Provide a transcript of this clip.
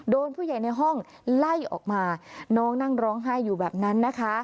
ผู้ใหญ่ในห้องไล่ออกมาน้องนั่งร้องไห้อยู่แบบนั้นนะคะ